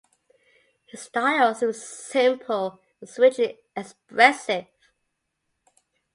His style, though simple, is richly expressive.